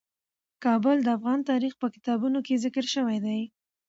کابل د افغان تاریخ په کتابونو کې ذکر شوی دي.